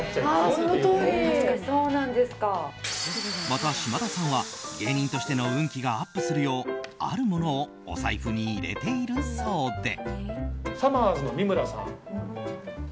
また島田さんは、芸人としての運気がアップするようあるものをお財布に入れているそうで。